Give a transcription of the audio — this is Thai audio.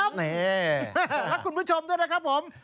รักคุณผู้ชมด้วยนะครับผม